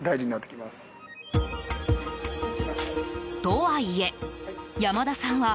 とはいえ、山田さんは